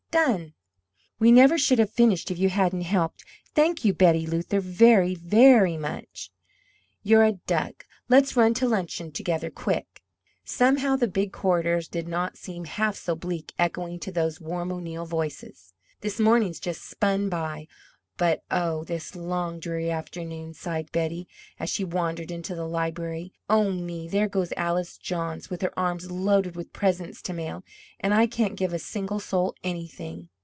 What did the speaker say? "Done!" "We never should have finished if you hadn't helped! Thank you, Betty Luther, very, VERY much! You're a duck! Let's run to luncheon together, quick." Somehow the big corridors did not seem half so bleak echoing to those warm O'Neill voices. "This morning's just spun by, but, oh, this long, dreary afternoon!" sighed Betty, as she wandered into the library. "Oh, me, there goes Alice Johns with her arms loaded with presents to mail, and I can't give a single soul anything!"